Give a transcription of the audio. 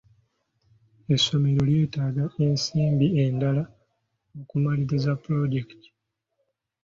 Essomero lyetaaga ensimbi endala okumaliriza pulojekiti.